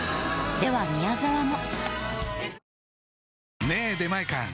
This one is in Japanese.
では宮沢も。